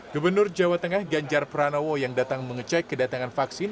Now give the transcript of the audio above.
gubernur jawa tengah ganjar pranowo yang datang mengecek kedatangan vaksin